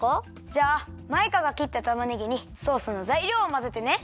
じゃあマイカがきったたまねぎにソースのざいりょうをまぜてね。